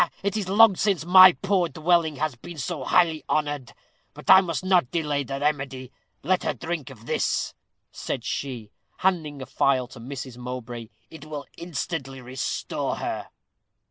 It is long since my poor dwelling has been so highly honored. But I must not delay the remedy. Let her drink of this," said she, handing a phial to Mrs. Mowbray. "It will instantly restore her."